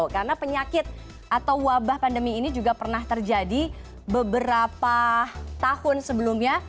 karena penyakit atau wabah pandemi ini juga pernah terjadi beberapa tahun sebelumnya